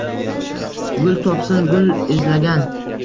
Gul topsin gul izlagan